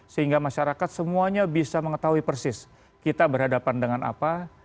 sehingga masyarakat semuanya bisa mengetahui persis kita berhadapan dengan apa